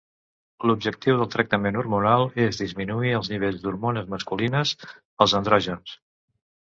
L'objectiu del tractament hormonal és disminuir els nivells d'hormones masculines, els andrògens.